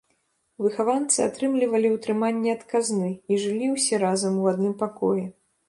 Выхаванцы атрымлівалі ўтрыманне ад казны і жылі ўсе разам у адным пакоі.